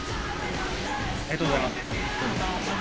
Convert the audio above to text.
ありがとうございます。